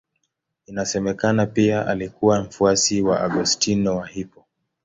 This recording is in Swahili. Inasemekana pia alikuwa mfuasi wa Augustino wa Hippo.